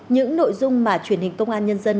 những nội dung mà truyền hình công an nhân dân